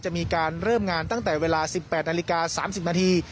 จะมีการเริ่มงานตั้งแต่เวลาสิบแปดนาฬิกาสามสิบนาที